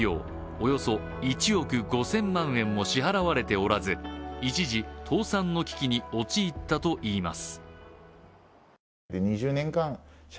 およそ１億５０００万円も支払われておらず、一時倒産の危機に陥ったといいます。